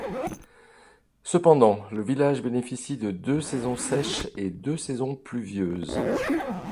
Cependant, le village bénéficie de deux saisons sèches et deux saisons pluvieuses.